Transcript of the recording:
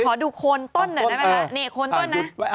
ขอดูโคนต้น